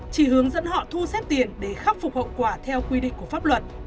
chỉ hướng dẫn họ thu xếp tiền để khắc phục hậu quả theo quy định của pháp luật